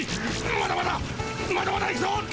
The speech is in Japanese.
まだまだまだまだいくぞ。